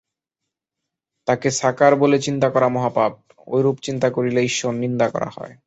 তাঁকে সাকার বলে চিন্তা করা মহাপাপ, ঐরূপ চিন্তা করলে ঈশ্বর-নিন্দা করা হয়।